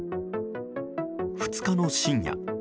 ２日の深夜。